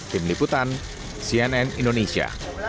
tim liputan cnn indonesia